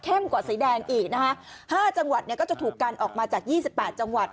เข้มกว่าสีแดงอีกนะฮะห้าจังหวัดเนี่ยก็จะถูกการออกมาจากยี่สิบแปดจังหวัด